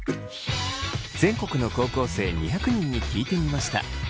全国の高校生２００人に聞いてみました。